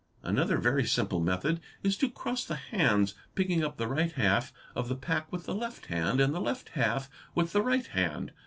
Another very simple method is to cross the hands, picking up the right half of the pack with the left hand, and the left half with the right hand.